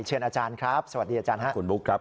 เชิญอาจารย์ครับสวัสดีอาจารย์ครับ